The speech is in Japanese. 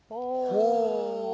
ほう。